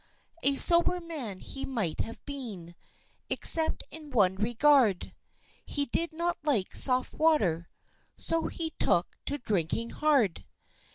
A sober man he might have been, Except in one regard, He did not like soft water, So he took to drinking hard!